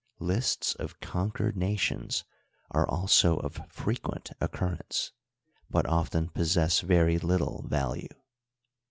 Lists of conquered nations are also of frequent occurrence, but often possess very little value.